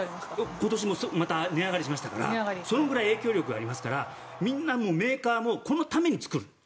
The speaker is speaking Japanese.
今年もまた値上がりしましたからそれくらい影響力がありますからみんな、メーカーもこのために作る。